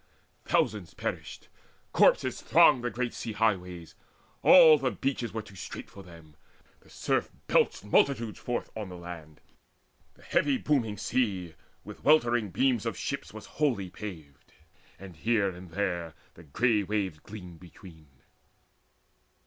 Thousands perished; corpses thronged The great sea highways: all the beaches were Too strait for them: the surf belched multitudes Forth on the land. The heavy booming sea With weltering beams of ships was wholly paved, And here and there the grey waves gleamed between.